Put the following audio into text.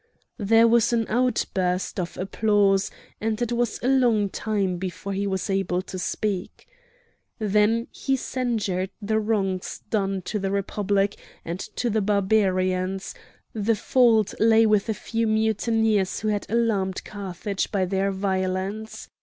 There was an outburst of applause, and it was a long time before he was able to speak. Then he censured the wrongs done to the Republic, and to the Barbarians; the fault lay with a few mutineers who had alarmed Carthage by their violence.